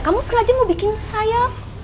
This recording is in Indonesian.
kamu sengaja mau bikin saya